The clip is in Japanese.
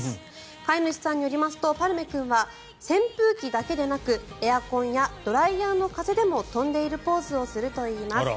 飼い主さんによりますとパルメ君は扇風機だけでなくエアコンやドライヤーの風でも飛んでいるポーズをするといいます。